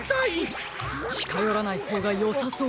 ちかよらないほうがよさそうです。